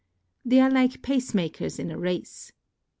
They are hke pacemakers in a race.